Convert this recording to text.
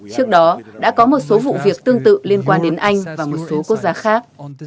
trước đó đã có một số vụ việc tương tự liên quan đến anh và một số quốc gia khác